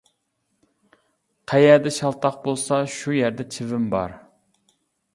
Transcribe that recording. قەيەردە شالتاق بولسا، شۇ يەردە چىۋىن بار.